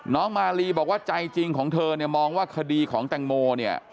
มาลีบอกว่าใจจริงของเธอเนี่ยมองว่าคดีของแตงโมเนี่ย